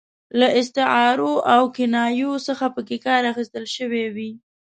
له استعارو او کنایو څخه پکې کار اخیستل شوی وي.